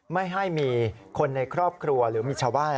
ไม่ให้มีคนในครอบครัวหรือมีชาวบ้าน